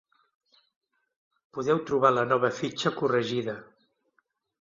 Podeu trobar la nova fitxa corregida.